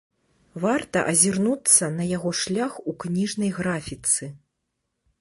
Варта азірнуцца на яго шлях у кніжнай графіцы.